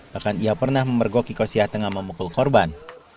bahkan ia pernah memergoki kosiah tengah memukul korban